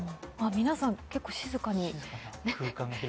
皆さん、結構静かに。